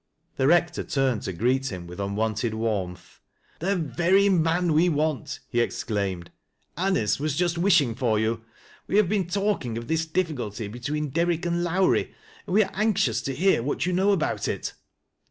The Hector turned to o reet him with unwonted warmth. " The very man we want," he exclaimed. " Anice was just wishing for you We have been talking of this difficulty between Derrick and Lowrie, and we are anxious to hear what you know about it."